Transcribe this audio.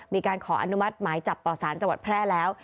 มีการขออนุมัติหมายจับต่อสารจังหวัดแพร่แล้ว